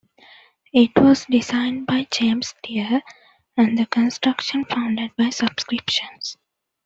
It was designed by James Steer, and the construction funded by subscriptions.